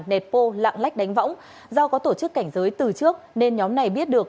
nệt pô lạng lách đánh võng do có tổ chức cảnh giới từ trước nên nhóm này biết được